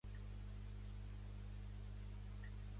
Què se t'hi ha perdut, a Montgri?